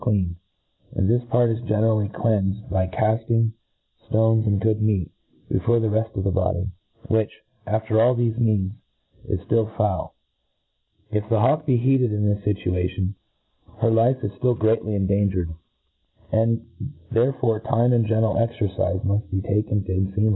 clean; ztkd this part is generally clcatifed bjr cafting, (lones, and good meat, befot c* the reft of the body, which^ after all thefe iheansi 19 ftill foul. If the hawk be heated in this fitua^ tion, her life is ftill greatly endangered j and Aerrforc tmc and gentle cxercifc muft be ta^? ken to cnfisam .